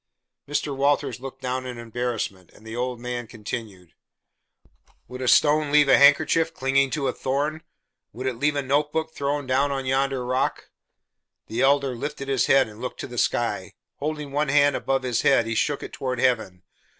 Mr. Walters looked down in embarrassment, and the old man continued. "Would a stone leave a handkerchief clinging to a thorn? Would it leave a notebook thrown down on yonder rock?" The Elder lifted his head and looked to the sky: holding one hand above his head he shook it toward heaven.